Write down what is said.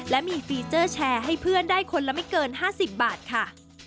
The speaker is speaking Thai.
และมีฟีเจอร์แชร์ให้เพื่อนได้คนละไม่เกิน๕๐บาทค่ะ